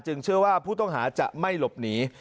เชื่อว่าผู้ต้องหาจะไม่หลบหนี